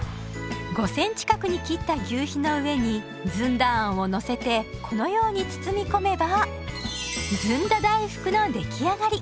５センチ角に切った求肥の上にずんだあんをのせてこのように包み込めばずんだ大福の出来上がり。